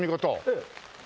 ええ。